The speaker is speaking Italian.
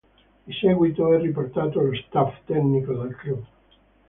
Di seguito è riportato lo staff tecnico del club.